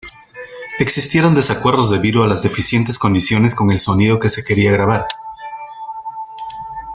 Existieron desacuerdos debido a las deficientes condiciones con el sonido que se quería grabar.